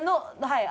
はい。